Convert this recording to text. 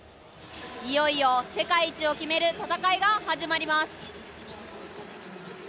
いよいよ世界一を決める戦いが始まります。